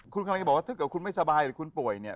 คุณกำลังจะบอกว่าถ้าเกิดคุณไม่สบายหรือคุณป่วยเนี่ย